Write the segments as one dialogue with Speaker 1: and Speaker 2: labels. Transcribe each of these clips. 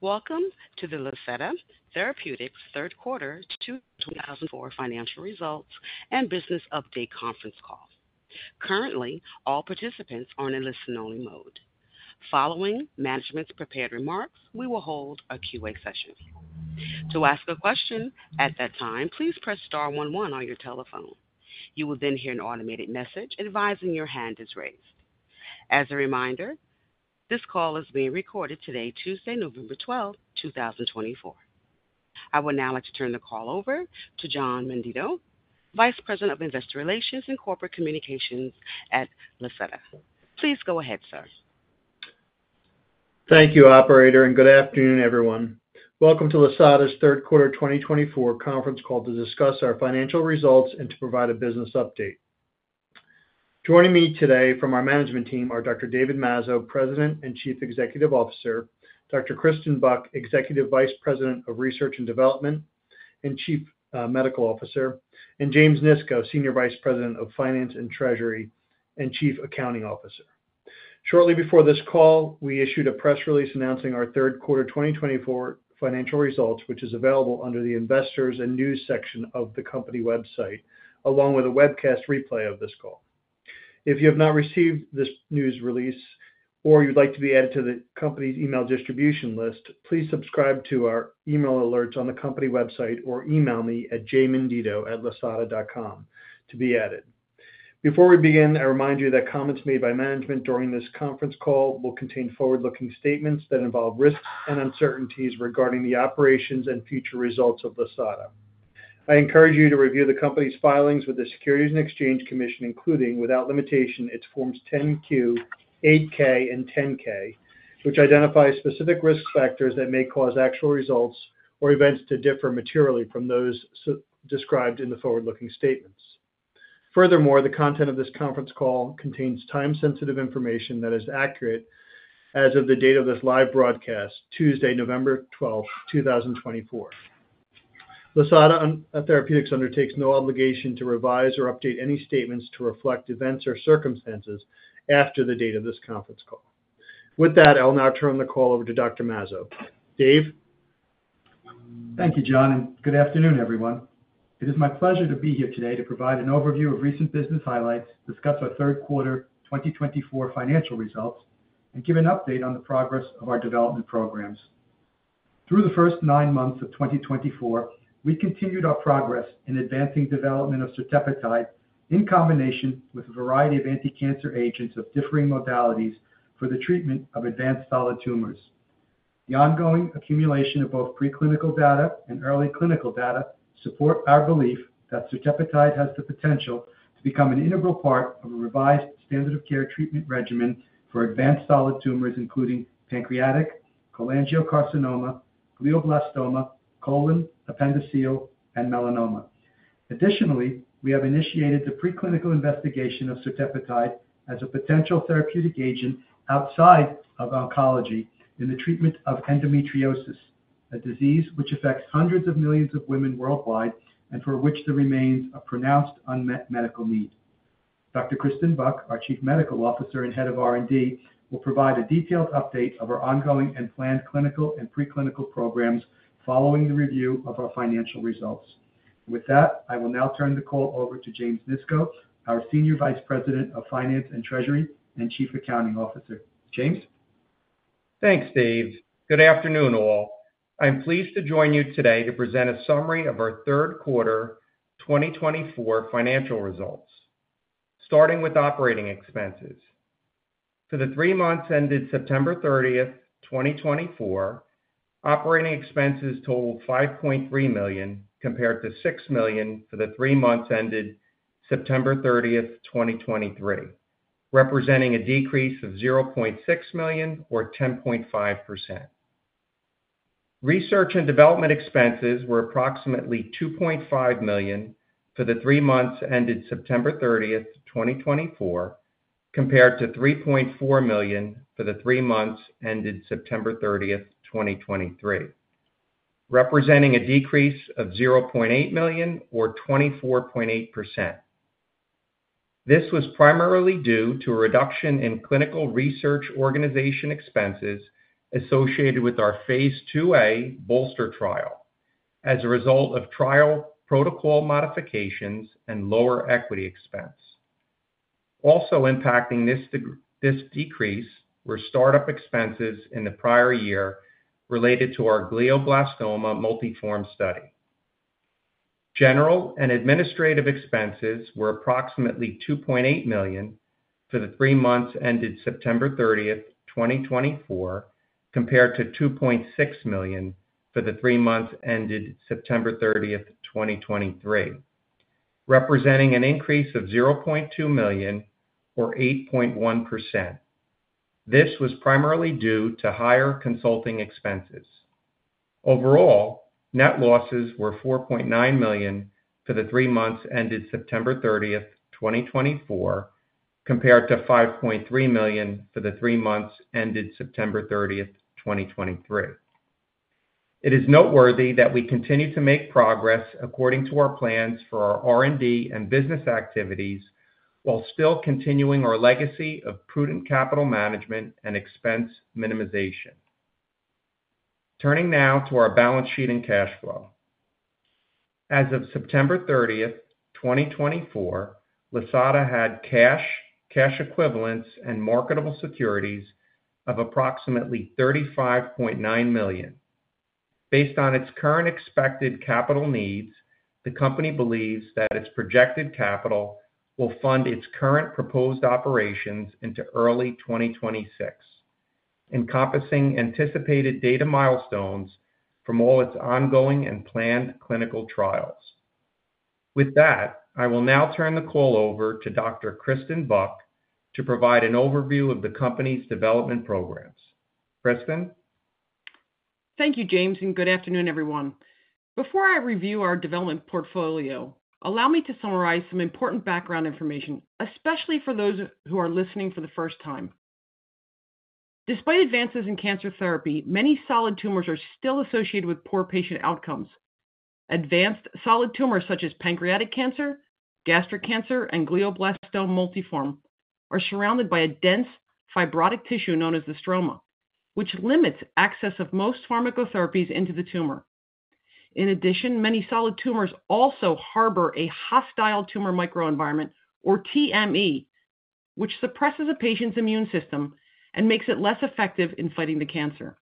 Speaker 1: Welcome to the Lisata Therapeutics third quarter 2024 financial results and business update conference call. Currently, all participants are in a listen-only mode. Following management's prepared remarks, we will hold a QA session. To ask a question at that time, please press star 11 on your telephone. You will then hear an automated message advising your hand is raised. As a reminder, this call is being recorded today, Tuesday, November 12th, 2024. I would now like to turn the call over to John Menditto, Vice President of Investor Relations and Corporate Communications at Lisata. Please go ahead, sir.
Speaker 2: Thank you, Operator, and good afternoon, everyone. Welcome to Lisata's third quarter 2024 conference call to discuss our financial results and to provide a business update. Joining me today from our management team are Dr. David Mazzo, President and Chief Executive Officer, Dr. Kristen Buck, Executive Vice President of Research and Development and Chief Medical Officer, and James Nisco, Senior Vice President of Finance and Treasury and Chief Accounting Officer. Shortly before this call, we issued a press release announcing our third quarter 2024 financial results, which is available under the Investors and News section of the company website, along with a webcast replay of this call. If you have not received this news release or you'd like to be added to the company's email distribution list, please subscribe to our email alerts on the company website or email me at jmenditto@lisata.com to be added. Before we begin, I remind you that comments made by management during this conference call will contain forward-looking statements that involve risks and uncertainties regarding the operations and future results of Lisata. I encourage you to review the company's filings with the Securities and Exchange Commission, including, without limitation, its Forms 10-Q, 8-K, and 10-K, which identify specific risk factors that may cause actual results or events to differ materially from those described in the forward-looking statements. Furthermore, the content of this conference call contains time-sensitive information that is accurate as of the date of this live broadcast, Tuesday, November 12th, 2024. Lisata Therapeutics undertakes no obligation to revise or update any statements to reflect events or circumstances after the date of this conference call. With that, I'll now turn the call over to Dr. Mazzo. Dave?
Speaker 3: Thank you, John, and good afternoon, everyone. It is my pleasure to be here today to provide an overview of recent business highlights, discuss our third quarter 2024 financial results, and give an update on the progress of our development programs. Through the first nine months of 2024, we continued our progress in advancing development of sirtepotide in combination with a variety of anti-cancer agents of differing modalities for the treatment of advanced solid tumors. The ongoing accumulation of both preclinical data and early clinical data supports our belief that sirtepotide has the potential to become an integral part of a revised standard of care treatment regimen for advanced solid tumors, including pancreatic, cholangiocarcinoma, glioblastoma, colon, appendiceal, and melanoma. Additionally, we have initiated the preclinical investigation of sirtepotide as a potential therapeutic agent outside of oncology in the treatment of endometriosis, a disease which affects hundreds of millions of women worldwide and for which there remains a pronounced unmet medical need. Dr. Kristen Buck, our Chief Medical Officer and Head of R&D, will provide a detailed update of our ongoing and planned clinical and preclinical programs following the review of our financial results. With that, I will now turn the call over to James Nisco, our Senior Vice President of Finance and Treasury and Chief Accounting Officer. James.
Speaker 4: Thanks, Dave. Good afternoon, all. I'm pleased to join you today to present a summary of our third quarter 2024 financial results, starting with operating expenses. For the three months ended September 30th, 2024, operating expenses totaled $5.3 million compared to $6 million for the three months ended September 30th, 2023, representing a decrease of $0.6 million, or 10.5%. Research and development expenses were approximately $2.5 million for the three months ended September 30th, 2024, compared to $3.4 million for the three months ended September 30th, 2023, representing a decrease of $0.8 million, or 24.8%. This was primarily due to a reduction in clinical research organization expenses associated with our phase II-A BOLSTER trial as a result of trial protocol modifications and lower equity expense. Also impacting this decrease were startup expenses in the prior year related to our glioblastoma multiforme study. General and administrative expenses were approximately $2.8 million for the three months ended September 30th, 2024, compared to $2.6 million for the three months ended September 30th, 2023, representing an increase of $0.2 million, or 8.1%. This was primarily due to higher consulting expenses. Overall, net losses were $4.9 million for the three months ended September 30th, 2024, compared to $5.3 million for the three months ended September 30th, 2023. It is noteworthy that we continue to make progress according to our plans for our R&D and business activities while still continuing our legacy of prudent capital management and expense minimization. Turning now to our balance sheet and cash flow. As of September 30th, 2024, Lisata had cash, cash equivalents, and marketable securities of approximately $35.9 million. Based on its current expected capital needs, the company believes that its projected capital will fund its current proposed operations into early 2026, encompassing anticipated data milestones from all its ongoing and planned clinical trials. With that, I will now turn the call over to Dr. Kristen Buck to provide an overview of the company's development programs. Kristen.
Speaker 5: Thank you, James, and good afternoon, everyone. Before I review our development portfolio, allow me to summarize some important background information, especially for those who are listening for the first time. Despite advances in cancer therapy, many solid tumors are still associated with poor patient outcomes. Advanced solid tumors such as pancreatic cancer, gastric cancer, and glioblastoma multiforme are surrounded by a dense fibrotic tissue known as the stroma, which limits access of most pharmacotherapies into the tumor. In addition, many solid tumors also harbor a hostile tumor microenvironment, or TME, which suppresses a patient's immune system and makes it less effective in fighting the cancer.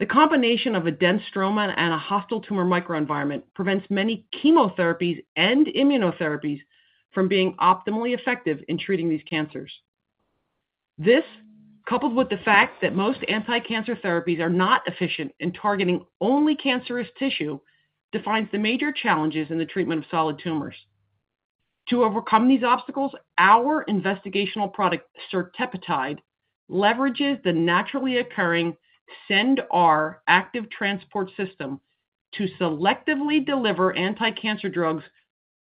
Speaker 5: The combination of a dense stroma and a hostile tumor microenvironment prevents many chemotherapies and immunotherapies from being optimally effective in treating these cancers. This, coupled with the fact that most anti-cancer therapies are not efficient in targeting only cancerous tissue, defines the major challenges in the treatment of solid tumors. To overcome these obstacles, our investigational product, sirtepotide, leverages the naturally occurring CendR active transport system to selectively deliver anti-cancer drugs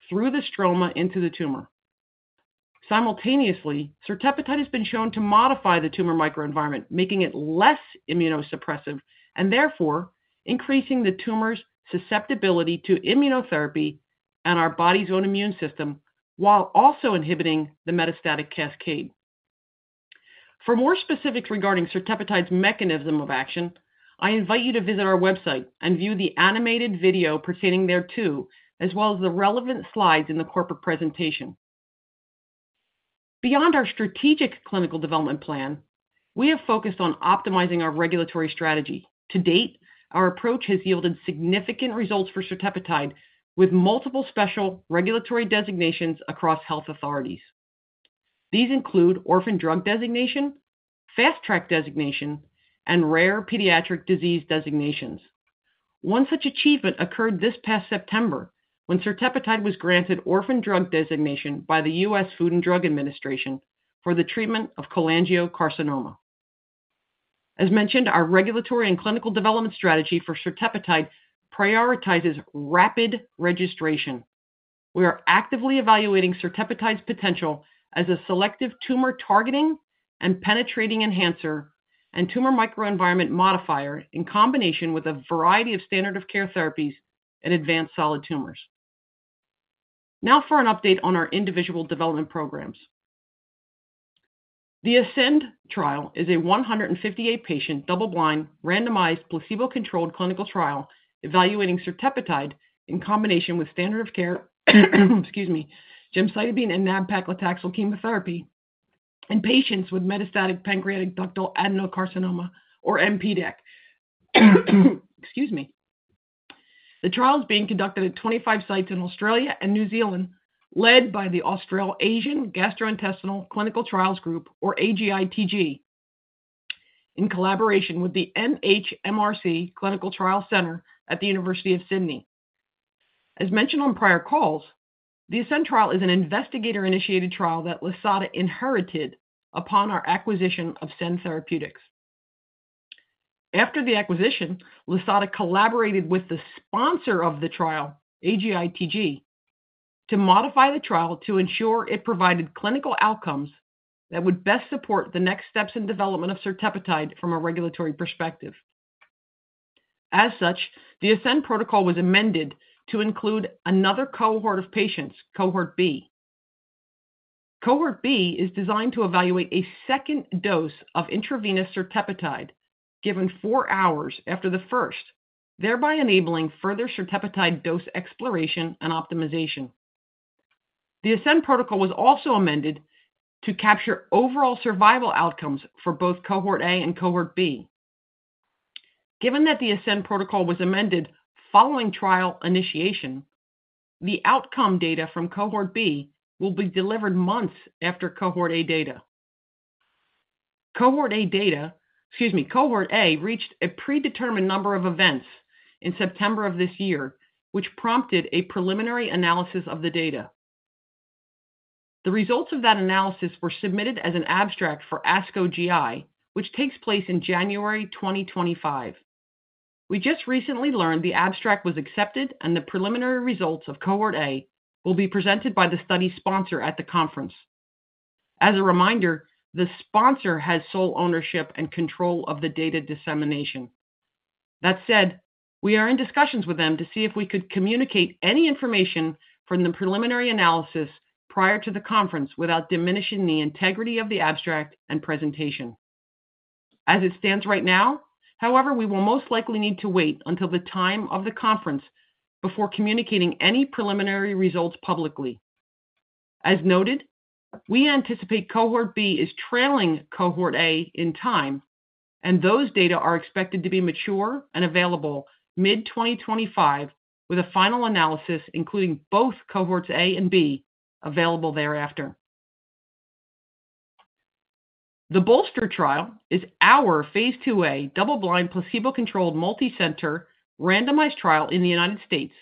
Speaker 5: through the stroma into the tumor. Simultaneously, sirtepotide has been shown to modify the tumor microenvironment, making it less immunosuppressive and therefore increasing the tumor's susceptibility to immunotherapy and our body's own immune system, while also inhibiting the metastatic cascade. For more specifics regarding sirtepotide's mechanism of action, I invite you to visit our website and view the animated video pertaining there too, as well as the relevant slides in the corporate presentation. Beyond our strategic clinical development plan, we have focused on optimizing our regulatory strategy. To date, our approach has yielded significant results for sirtepotide, with multiple special regulatory designations across health authorities. These include orphan drug designation, fast-track designation, and rare pediatric disease designations. One such achievement occurred this past September when sirtepotide was granted orphan drug designation by the U.S. Food and Drug Administration for the treatment of cholangiocarcinoma. As mentioned, our regulatory and clinical development strategy for sirtepotide prioritizes rapid registration. We are actively evaluating sirtepotide's potential as a selective tumor targeting and penetrating enhancer and tumor microenvironment modifier in combination with a variety of standard of care therapies in advanced solid tumors. Now for an update on our individual development programs. The ASCEND trial is a 158-patient double-blind randomized placebo-controlled clinical trial evaluating sirtepotide in combination with standard of care, excuse me, gemcitabine and nab-paclitaxel chemotherapy in patients with metastatic pancreatic ductal adenocarcinoma, or MPDAC. Excuse me. The trial is being conducted at 25 sites in Australia and New Zealand, led by the Australasian Gastrointestinal Clinical Trials Group, or AGITG, in collaboration with the NHMRC Clinical Trials Centre at the University of Sydney. As mentioned on prior calls, the ASCEND trial is an investigator-initiated trial that Lisata inherited upon our acquisition of Cend Therapeutics. After the acquisition, Lisata collaborated with the sponsor of the trial, AGITG, to modify the trial to ensure it provided clinical outcomes that would best support the next steps in development of sirtepotide from a regulatory perspective. As such, the ASCEND protocol was amended to include another cohort of patients, Cohort B. Cohort B is designed to evaluate a second dose of intravenous sirtepotide given four hours after the first, thereby enabling further sirtepotide dose exploration and optimization. The ASCEND protocol was also amended to capture overall survival outcomes for both Cohort A and Cohort B. Given that the ASCEND protocol was amended following trial initiation, the outcome data from Cohort B will be delivered months after Cohort A data. Cohort A data, excuse me, Cohort A reached a predetermined number of events in September of this year, which prompted a preliminary analysis of the data. The results of that analysis were submitted as an abstract for ASCO GI, which takes place in January 2025. We just recently learned the abstract was accepted, and the preliminary results of Cohort A will be presented by the study sponsor at the conference. As a reminder, the sponsor has sole ownership and control of the data dissemination. That said, we are in discussions with them to see if we could communicate any information from the preliminary analysis prior to the conference without diminishing the integrity of the abstract and presentation. As it stands right now, however, we will most likely need to wait until the time of the conference before communicating any preliminary results publicly. As noted, we anticipate Cohort B is trailing Cohort A in time, and those data are expected to be mature and available mid-2025, with a final analysis including both Cohorts A and B available thereafter. The BOLSTER trial is our phase II-A double-blind placebo-controlled multicenter randomized trial in the United States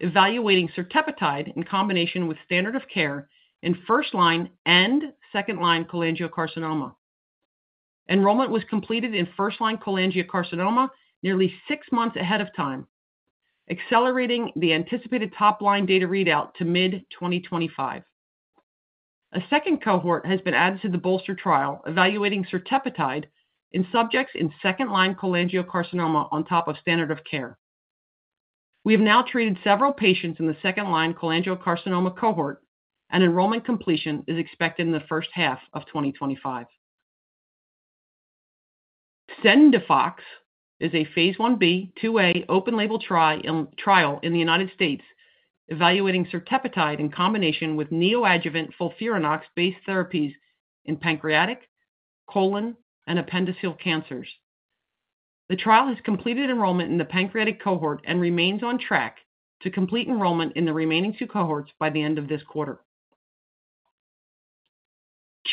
Speaker 5: evaluating sirtepotide in combination with standard of care in first-line and second-line cholangiocarcinoma. Enrollment was completed in first-line cholangiocarcinoma nearly six months ahead of time, accelerating the anticipated top-line data readout to mid-2025. A second cohort has been added to the BOLSTER trial evaluating sirtepotide in subjects in second-line cholangiocarcinoma on top of standard of care. We have now treated several patients in the second-line cholangiocarcinoma cohort, and enrollment completion is expected in the first half of 2025. CENDIFOX is a phase I-B/II-A open-label trial in the United States evaluating sirtepotide in combination with neoadjuvant FOLFIRINOX-based therapies in pancreatic, colon, and appendiceal cancers. The trial has completed enrollment in the pancreatic cohort and remains on track to complete enrollment in the remaining two cohorts by the end of this quarter.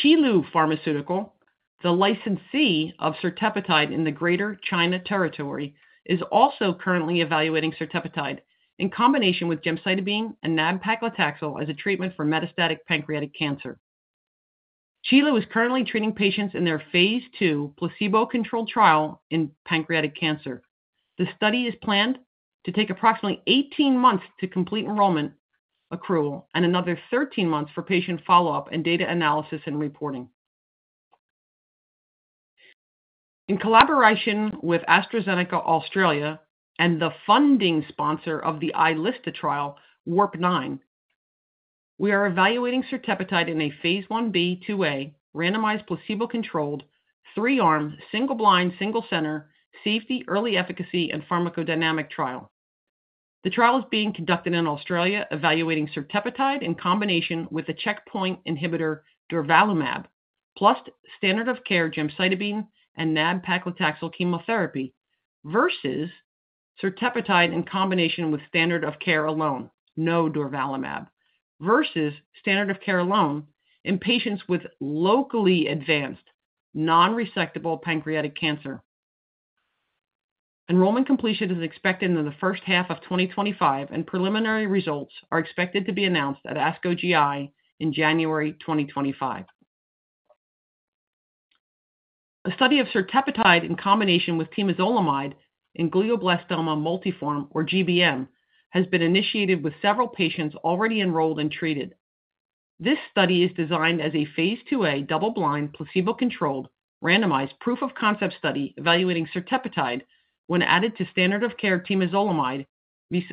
Speaker 5: Qilu Pharmaceutical, the licensee of sirtepotide in the Greater China Territory, is also currently evaluating sirtepotide in combination with gemcitabine and nab-paclitaxel as a treatment for metastatic pancreatic cancer. Qilu is currently treating patients in their phase II placebo-controlled trial in pancreatic cancer. The study is planned to take approximately 18 months to complete enrollment accrual and another 13 months for patient follow-up and data analysis and reporting. In collaboration with AstraZeneca Australia and the funding sponsor of the iLSTA trial, WARP9, we are evaluating sirtepotide in a phase I-B, II-A randomized placebo-controlled three-armed single-blind single-center safety, early efficacy, and pharmacodynamic trial. The trial is being conducted in Australia, evaluating sirtepotide in combination with a checkpoint inhibitor durvalumab plus standard of care gemcitabine and nab-paclitaxel chemotherapy versus sirtepotide in combination with standard of care alone, no durvalumab, versus standard of care alone in patients with locally advanced nonresectable pancreatic cancer. Enrollment completion is expected in the first half of 2025, and preliminary results are expected to be announced at ASCO GI in January 2025. A study of sirtepotide in combination with temozolomide in glioblastoma multiforme, or GBM, has been initiated with several patients already enrolled and treated. This study is designed as a phase II-A double-blind placebo-controlled randomized proof-of-concept study evaluating sirtepotide when added to standard of care temozolomide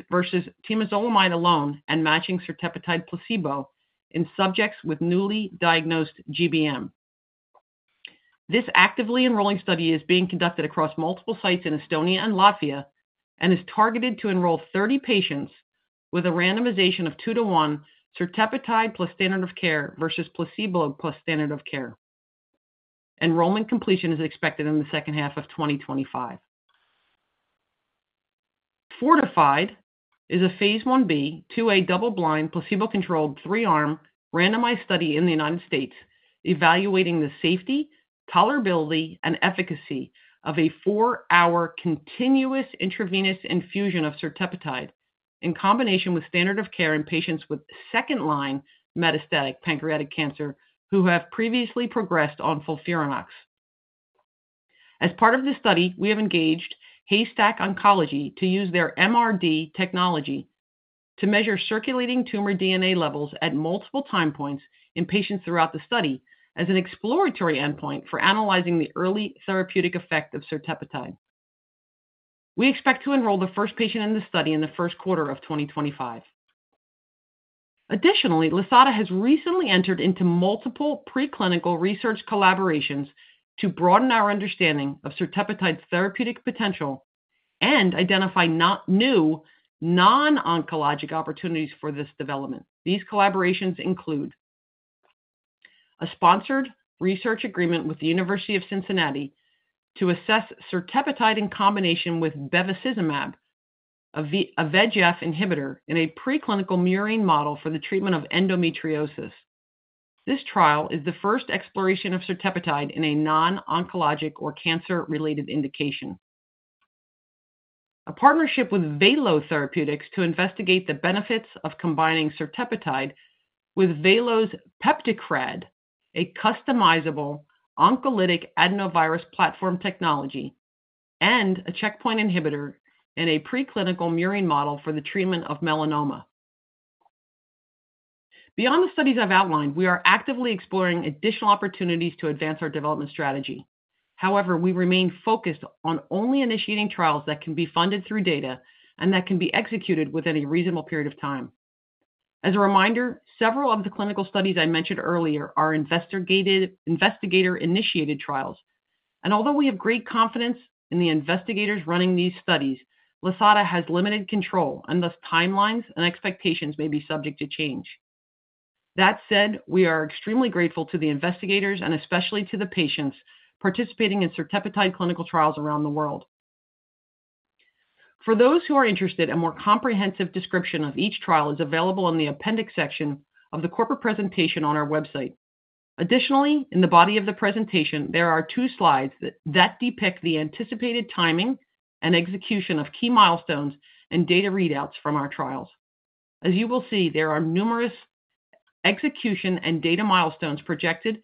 Speaker 5: versus temozolomide alone and matching sirtepotide placebo in subjects with newly diagnosed GBM. This actively enrolling study is being conducted across multiple sites in Estonia and Latvia and is targeted to enroll 30 patients with a randomization of two-to-one sirtepotide plus standard of care versus placebo plus standard of care. Enrollment completion is expected in the second half of 2025. FORTIFIED is a phase I-B, II-A double-blind placebo-controlled three-armed randomized study in the United States evaluating the safety, tolerability, and efficacy of a four-hour continuous intravenous infusion of sirtepotide in combination with standard of care in patients with second-line metastatic pancreatic cancer who have previously progressed on FOLFIRINOX. As part of this study, we have engaged Haystack Oncology to use their MRD technology to measure circulating tumor DNA levels at multiple time points in patients throughout the study as an exploratory endpoint for analyzing the early therapeutic effect of sirtepotide. We expect to enroll the first patient in the study in the first quarter of 2025. Additionally, Lisata has recently entered into multiple preclinical research collaborations to broaden our understanding of sirtepotide's therapeutic potential and identify new non-oncologic opportunities for this development. These collaborations include a sponsored research agreement with the University of Cincinnati to assess sirtepotide in combination with bevacizumab, a VEGF inhibitor, in a preclinical murine model for the treatment of endometriosis. This trial is the first exploration of sirtepotide in a non-oncologic or cancer-related indication. A partnership with Valo Therapeutics to investigate the benefits of combining sirtepotide with Valo's PeptiCRAd, a customizable oncolytic adenovirus platform technology, and a checkpoint inhibitor in a preclinical murine model for the treatment of melanoma. Beyond the studies I've outlined, we are actively exploring additional opportunities to advance our development strategy. However, we remain focused on only initiating trials that can be funded through data and that can be executed within a reasonable period of time. As a reminder, several of the clinical studies I mentioned earlier are investigator-initiated trials. Although we have great confidence in the investigators running these studies, Lisata has limited control, and thus timelines and expectations may be subject to change. That said, we are extremely grateful to the investigators and especially to the patients participating in sirtepotide clinical trials around the world. For those who are interested, a more comprehensive description of each trial is available in the appendix section of the corporate presentation on our website. Additionally, in the body of the presentation, there are two slides that depict the anticipated timing and execution of key milestones and data readouts from our trials. As you will see, there are numerous execution and data milestones projected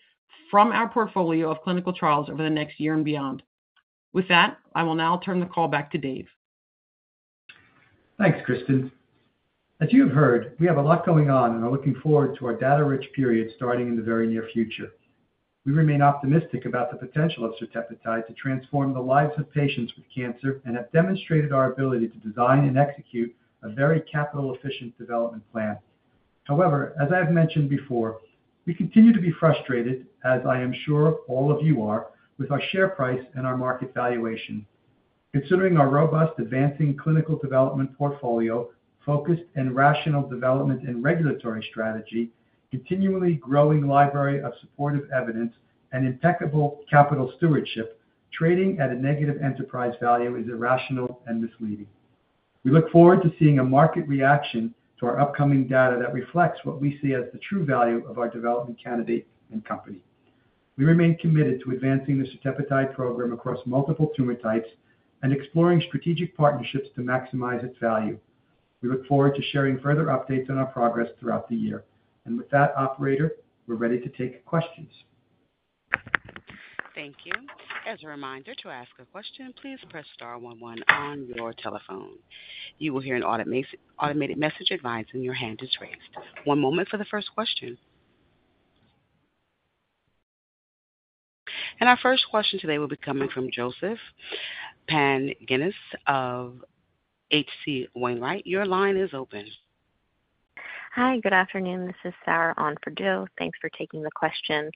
Speaker 5: from our portfolio of clinical trials over the next year and beyond. With that, I will now turn the call back to Dave.
Speaker 3: Thanks, Kristen. As you have heard, we have a lot going on and are looking forward to our data-rich period starting in the very near future. We remain optimistic about the potential of sirtepotide to transform the lives of patients with cancer and have demonstrated our ability to design and execute a very capital-efficient development plan. However, as I have mentioned before, we continue to be frustrated, as I am sure all of you are, with our share price and our market valuation. Considering our robust advancing clinical development portfolio, focused and rational development and regulatory strategy, continually growing library of supportive evidence, and impeccable capital stewardship, trading at a negative enterprise value is irrational and misleading. We look forward to seeing a market reaction to our upcoming data that reflects what we see as the true value of our development candidate and company. We remain committed to advancing the sirtepotide program across multiple tumor types and exploring strategic partnerships to maximize its value. We look forward to sharing further updates on our progress throughout the year. And with that, operator, we're ready to take questions.
Speaker 1: Thank you. As a reminder, to ask a question, please press star 11 on your telephone. You will hear an automated message advising your hand is raised. One moment for the first question. And our first question today will be coming from Joseph Pantginis of H.C. Wainwright & Co. Your line is open. Hi, good afternoon. This is Sarah on for Joe. Thanks for taking the question.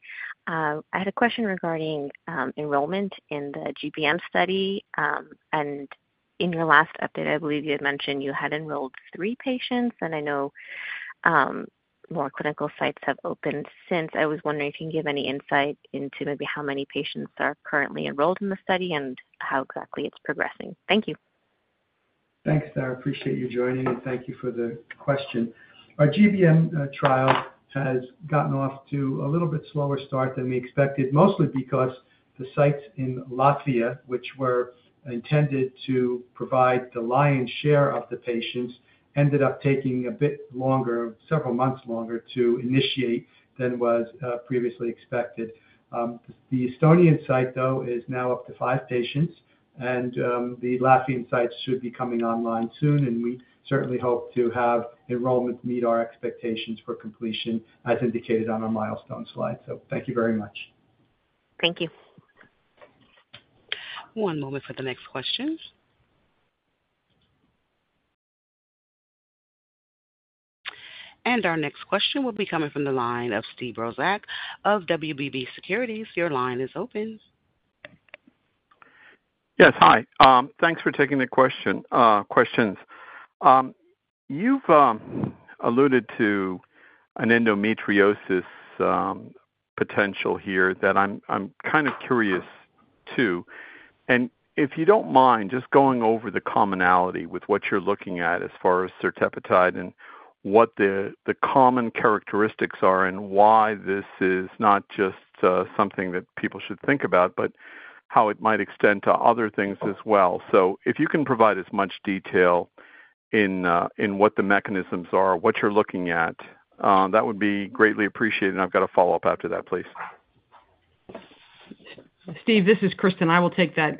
Speaker 1: I had a question regarding enrollment in the GBM study. And in your last update, I believe you had mentioned you had enrolled three patients, and I know more clinical sites have opened since.
Speaker 6: I was wondering if you can give any insight into maybe how many patients are currently enrolled in the study and how exactly it's progressing. Thank you.
Speaker 3: Thanks, Sarah. I appreciate you joining, and thank you for the question. Our GBM trial has gotten off to a little bit slower start than we expected, mostly because the sites in Latvia, which were intended to provide the lion's share of the patients, ended up taking a bit longer, several months longer, to initiate than was previously expected. The Estonian site, though, is now up to five patients, and the Latvian site should be coming online soon. And we certainly hope to have enrollment meet our expectations for completion, as indicated on our milestone slide. So thank you very much.
Speaker 6: Thank you.
Speaker 1: One moment for the next question. Our next question will be coming from the line of Steve Brozak of WBB Securities. Your line is open.
Speaker 7: Yes, hi. Thanks for taking the question. You've alluded to an endometriosis potential here that I'm kind of curious to. If you don't mind just going over the commonality with what you're looking at as far as sirtepotide and what the common characteristics are and why this is not just something that people should think about, but how it might extend to other things as well. If you can provide as much detail in what the mechanisms are, what you're looking at, that would be greatly appreciated. I've got a follow-up after that, please.
Speaker 5: Steve, this is Kristen. I will take that.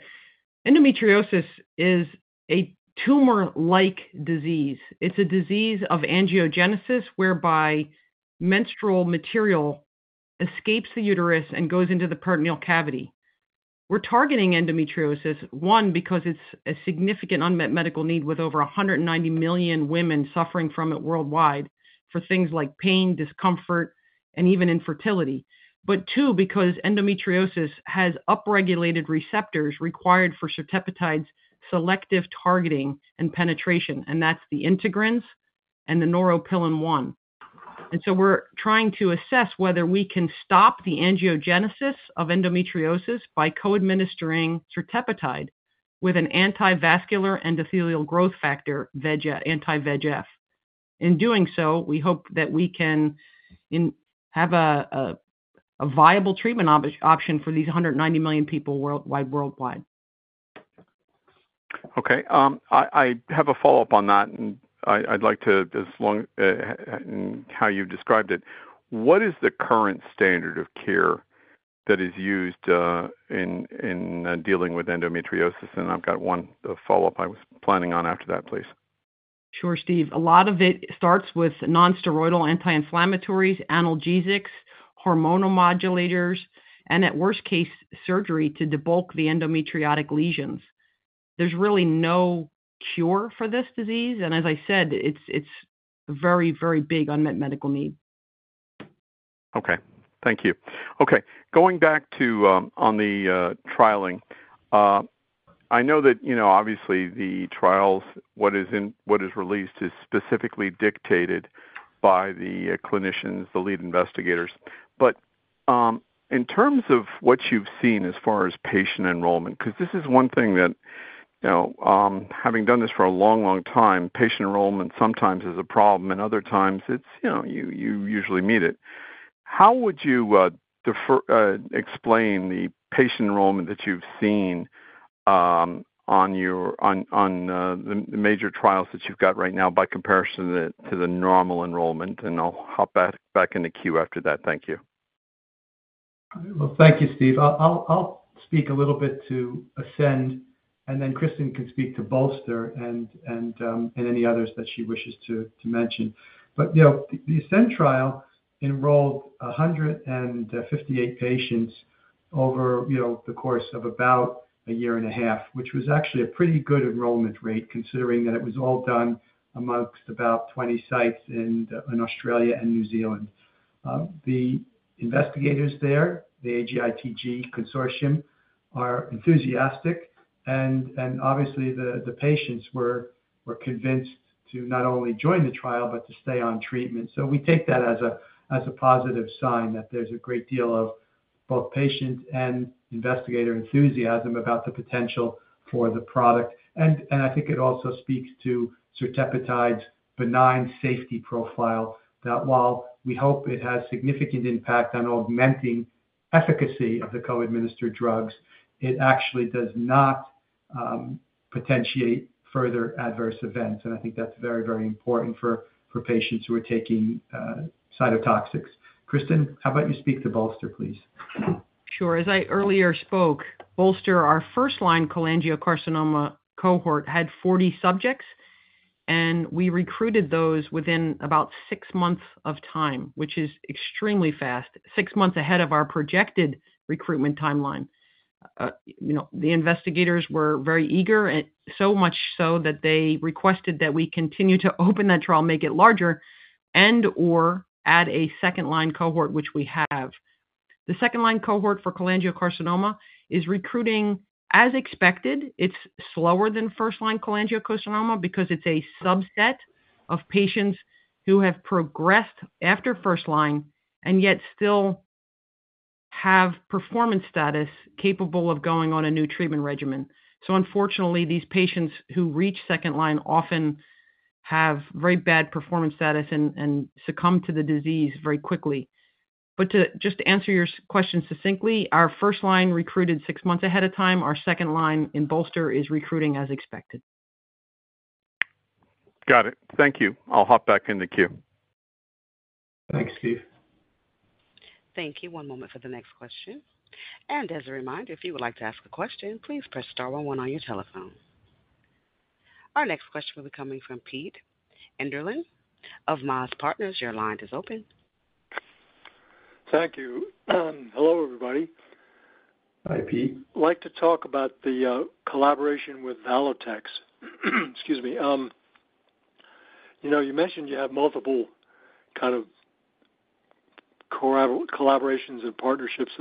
Speaker 5: Endometriosis is a tumor-like disease. It's a disease of angiogenesis whereby menstrual material escapes the uterus and goes into the peritoneal cavity. We're targeting endometriosis, one, because it's a significant unmet medical need with over 190 million women suffering from it worldwide for things like pain, discomfort, and even infertility. But two, because endometriosis has upregulated receptors required for sirtepotide's selective targeting and penetration, and that's the integrins and the neuropilin-1. And so we're trying to assess whether we can stop the angiogenesis of endometriosis by co-administering sirtepotide with an anti-vascular endothelial growth factor, anti-VEGF. In doing so, we hope that we can have a viable treatment option for these 190 million people worldwide.
Speaker 7: Okay. I have a follow-up on that, and I'd like to, as long as how you've described it, what is the current standard of care that is used in dealing with endometriosis? And I've got one follow-up I was planning on after that, please.
Speaker 5: Sure, Steve. A lot of it starts with nonsteroidal anti-inflammatories, analgesics, hormonal modulators, and at worst case, surgery to debulk the endometriotic lesions. There's really no cure for this disease. And as I said, it's a very, very big unmet medical need.
Speaker 7: Okay. Thank you. Okay. Going back to on the trialing, I know that obviously the trials, what is released is specifically dictated by the clinicians, the lead investigators. But in terms of what you've seen as far as patient enrollment, because this is one thing that having done this for a long, long time, patient enrollment sometimes is a problem, and other times you usually meet it. How would you explain the patient enrollment that you've seen on the major trials that you've got right now by comparison to the normal enrollment? And I'll hop back in the queue after that. Thank you.
Speaker 3: All right. Well, thank you, Steve. I'll speak a little bit to ASCEND, and then Kristen can speak to BOLSTER and any others that she wishes to mention. But the ASCEND trial enrolled 158 patients over the course of about a year and a half, which was actually a pretty good enrollment rate considering that it was all done amongst about 20 sites in Australia and New Zealand. The investigators there, the AGITG Consortium, are enthusiastic, and obviously, the patients were convinced to not only join the trial but to stay on treatment. So we take that as a positive sign that there's a great deal of both patient and investigator enthusiasm about the potential for the product. And I think it also speaks to sirtepotide's benign safety profile that while we hope it has significant impact on augmenting efficacy of the co-administered drugs, it actually does not potentiate further adverse events. I think that's very, very important for patients who are taking cytotoxics. Kristen, how about you speak to BOLSTER, please?
Speaker 5: Sure. As I earlier spoke, BOLSTER, our first-line cholangiocarcinoma cohort, had 40 subjects, and we recruited those within about six months of time, which is extremely fast, six months ahead of our projected recruitment timeline. The investigators were very eager, so much so that they requested that we continue to open that trial, make it larger, and/or add a second-line cohort, which we have. The second-line cohort for cholangiocarcinoma is recruiting as expected. It's slower than first-line cholangiocarcinoma because it's a subset of patients who have progressed after first-line and yet still have performance status capable of going on a new treatment regimen. So unfortunately, these patients who reach second-line often have very bad performance status and succumb to the disease very quickly. But to just answer your question succinctly, our first-line recruited six months ahead of time. Our second-line in BOLSTER is recruiting as expected.
Speaker 7: Got it. Thank you. I'll hop back in the queue.
Speaker 3: Thanks, Steve.
Speaker 1: Thank you. One moment for the next question. And as a reminder, if you would like to ask a question, please press star 11 on your telephone. Our next question will be coming from Pete Enderlin of MAZ Partners. Your line is open.
Speaker 8: Thank you. Hello, everybody. Hi, Pete. I'd like to talk about the collaboration with Valo Therapeutics. Excuse me. You mentioned you have multiple kind of collaborations and partnerships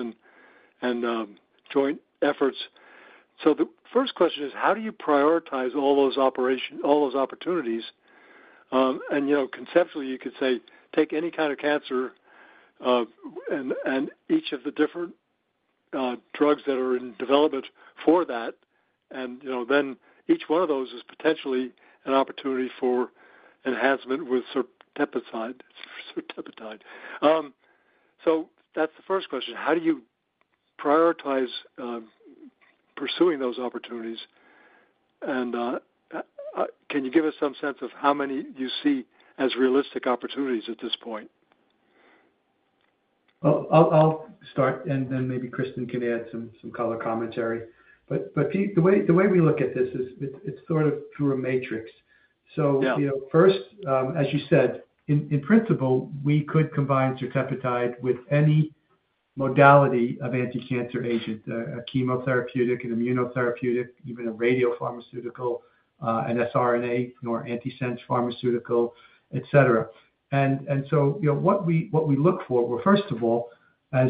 Speaker 8: and joint efforts. So the first question is, how do you prioritize all those opportunities? And conceptually, you could say, take any kind of cancer and each of the different drugs that are in development for that, and then each one of those is potentially an opportunity for enhancement with sirtepotide. So that's the first question. How do you prioritize pursuing those opportunities? And can you give us some sense of how many you see as realistic opportunities at this point?
Speaker 3: Well, I'll start, and then maybe Kristen can add some color commentary. But Pete, the way we look at this is it's sort of through a matrix. So first, as you said, in principle, we could combine sirtepotide with any modality of anti-cancer agent, a chemotherapeutic, an immunotherapeutic, even a radiopharmaceutical, an siRNA, or anti-sense pharmaceutical, etc. And so what we look for, well, first of all, as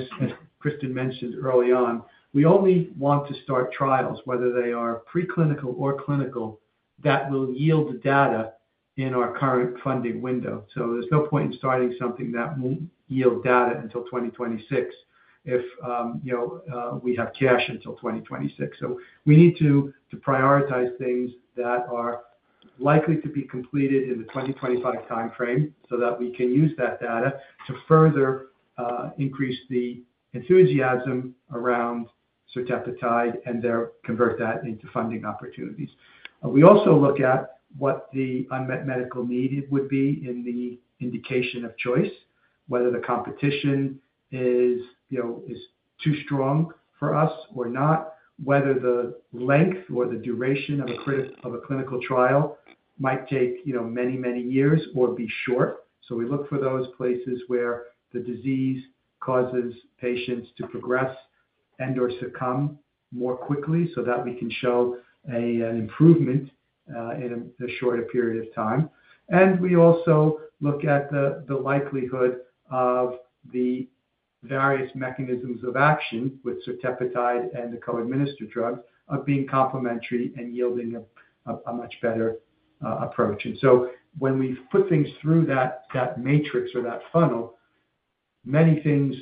Speaker 3: Kristen mentioned early on, we only want to start trials, whether they are preclinical or clinical, that will yield the data in our current funding window. So there's no point in starting something that won't yield data until 2026 if we have cash until 2026. So we need to prioritize things that are likely to be completed in the 2025 timeframe so that we can use that data to further increase the enthusiasm around sirtepotide and convert that into funding opportunities. We also look at what the unmet medical need would be in the indication of choice, whether the competition is too strong for us or not, whether the length or the duration of a clinical trial might take many, many years or be short. So we look for those places where the disease causes patients to progress and/or succumb more quickly so that we can show an improvement in a shorter period of time. And we also look at the likelihood of the various mechanisms of action with sirtepotide and the co-administered drugs being complementary and yielding a much better approach. And so when we put things through that matrix or that funnel, many things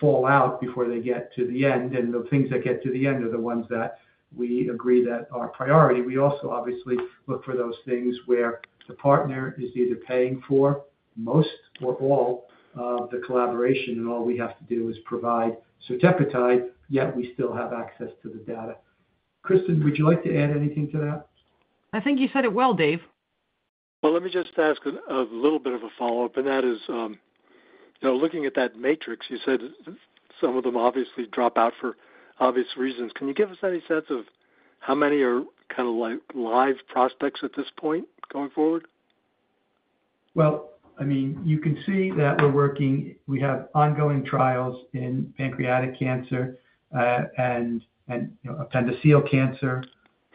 Speaker 3: fall out before they get to the end. And the things that get to the end are the ones that we agree that are priority. We also obviously look for those things where the partner is either paying for most or all of the collaboration, and all we have to do is provide sirtepotide, yet we still have access to the data. Kristen, would you like to add anything to that?
Speaker 5: I think you said it well, Dave.
Speaker 8: Let me just ask a little bit of a follow-up, and that is looking at that matrix, you said some of them obviously drop out for obvious reasons. Can you give us any sense of how many are kind of live prospects at this point going forward?
Speaker 3: I mean, you can see that we're working. We have ongoing trials in pancreatic cancer and appendiceal cancer,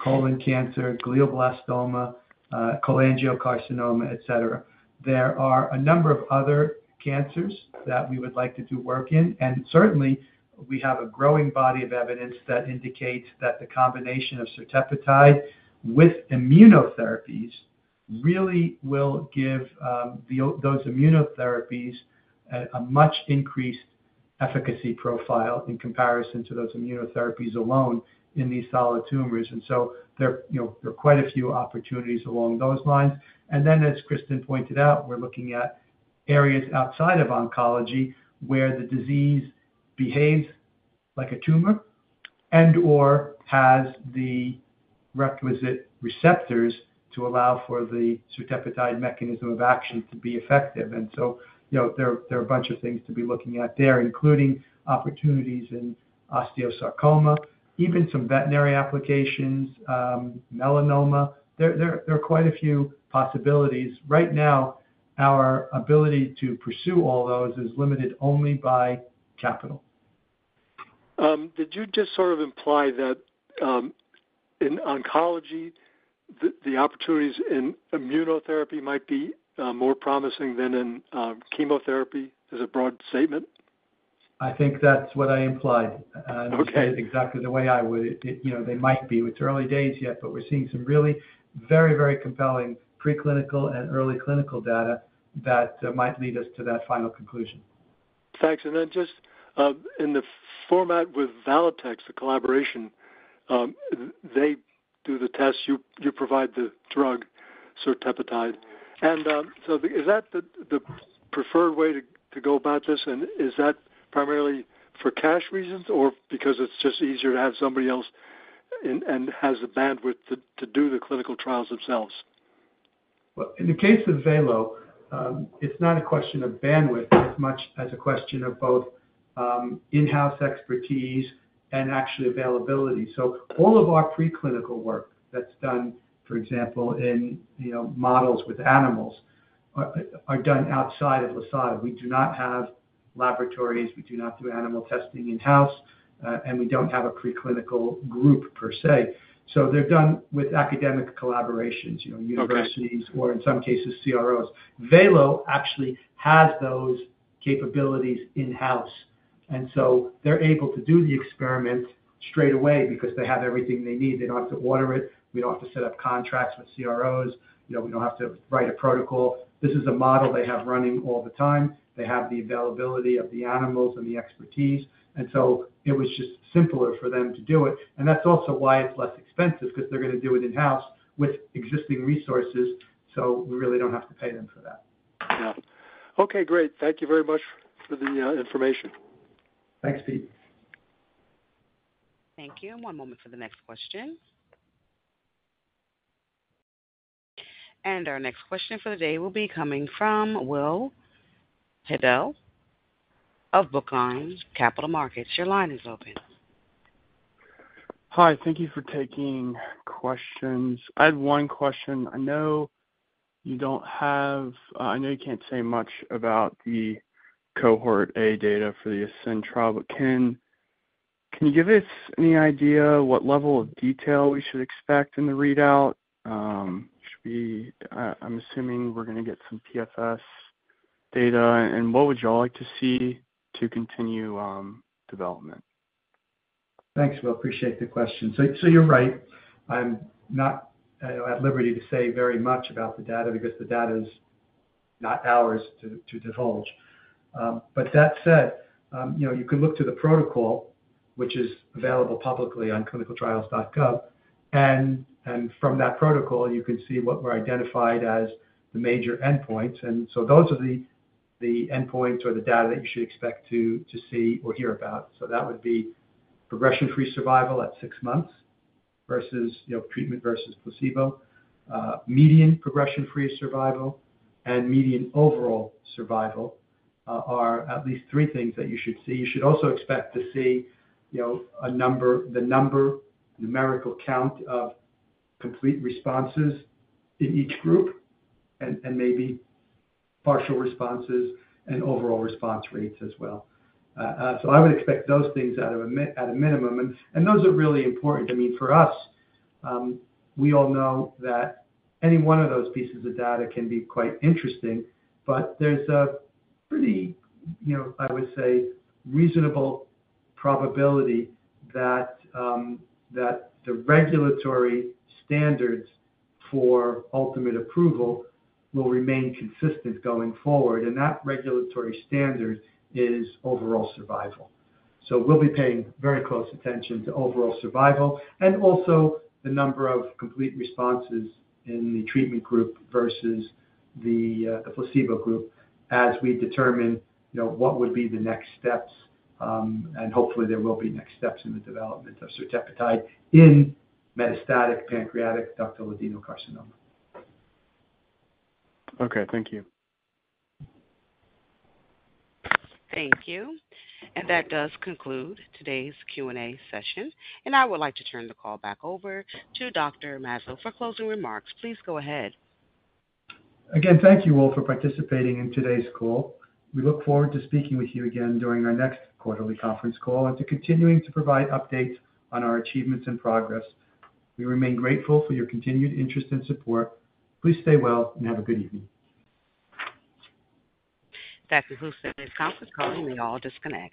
Speaker 3: colon cancer, glioblastoma, cholangiocarcinoma, etc. There are a number of other cancers that we would like to do work in. And certainly, we have a growing body of evidence that indicates that the combination of sirtepotide with immunotherapies really will give those immunotherapies a much increased efficacy profile in comparison to those immunotherapies alone in these solid tumors. And so there are quite a few opportunities along those lines. And then, as Kristen pointed out, we're looking at areas outside of oncology where the disease behaves like a tumor and/or has the requisite receptors to allow for the sirtepotide mechanism of action to be effective. And so there are a bunch of things to be looking at there, including opportunities in osteosarcoma, even some veterinary applications, melanoma. There are quite a few possibilities. Right now, our ability to pursue all those is limited only by capital.
Speaker 8: Did you just sort of imply that in oncology, the opportunities in immunotherapy might be more promising than in chemotherapy? Is it a broad statement?
Speaker 3: I think that's what I implied. And exactly the way I would, they might be. It's early days yet, but we're seeing some really very, very compelling preclinical and early clinical data that might lead us to that final conclusion.
Speaker 8: Thanks. Just in the format with Valo, the collaboration, they do the tests. You provide the drug, sirtepotide. Is that the preferred way to go about this? Is that primarily for cash reasons or because it's just easier to have somebody else and has the bandwidth to do the clinical trials themselves?
Speaker 3: In the case of Valo, it's not a question of bandwidth as much as a question of both in-house expertise and actually availability. All of our preclinical work that's done, for example, in models with animals, are done outside of Lisata. We do not have laboratories. We do not do animal testing in-house, and we don't have a preclinical group per se. They're done with academic collaborations, universities, or in some cases, CROs. Valo actually has those capabilities in-house. And so they're able to do the experiment straight away because they have everything they need. They don't have to order it. We don't have to set up contracts with CROs. We don't have to write a protocol. This is a model they have running all the time. They have the availability of the animals and the expertise. And so it was just simpler for them to do it. And that's also why it's less expensive because they're going to do it in-house with existing resources. So we really don't have to pay them for that.
Speaker 8: Yeah. Okay. Great. Thank you very much for the information.
Speaker 3: Thanks, Pete.
Speaker 1: Thank you. One moment for the next question. And our next question for the day will be coming from Will Hedel of Brookline Capital Markets. Your line is open.
Speaker 9: Hi. Thank you for taking questions. I had one question. I know you can't say much about the cohort A data for the ASCEND trial, but can you give us any idea what level of detail we should expect in the readout? I'm assuming we're going to get some PFS data. And what would y'all like to see to continue development?
Speaker 3: Thanks. We appreciate the question. So you're right. I'm not at liberty to say very much about the data because the data is not ours to divulge. But that said, you can look to the protocol, which is available publicly on ClinicalTrials.gov. And from that protocol, you can see what were identified as the major endpoints. And so those are the endpoints or the data that you should expect to see or hear about. So that would be progression-free survival at six months versus treatment versus placebo. Median progression-free survival and median overall survival are at least three things that you should see. You should also expect to see the number, numerical count of complete responses in each group and maybe partial responses and overall response rates as well. So I would expect those things at a minimum. And those are really important. I mean, for us, we all know that any one of those pieces of data can be quite interesting, but there's a pretty, I would say, reasonable probability that the regulatory standards for ultimate approval will remain consistent going forward. And that regulatory standard is overall survival. So we'll be paying very close attention to overall survival and also the number of complete responses in the treatment group versus the placebo group as we determine what would be the next steps. And hopefully, there will be next steps in the development of sirtepotide in metastatic pancreatic ductal adenocarcinoma.
Speaker 9: Okay. Thank you.
Speaker 1: Thank you. And that does conclude today's Q&A session. And I would like to turn the call back over to Dr. Mazzo for closing remarks. Please go ahead.
Speaker 3: Again, thank you all for participating in today's call. We look forward to speaking with you again during our next quarterly conference call and to continuing to provide updates on our achievements and progress. We remain grateful for your continued interest and support. Please stay well and have a good evening.
Speaker 1: That concludes this conference call. You may all disconnect.